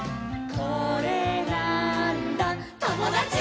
「これなーんだ『ともだち！』」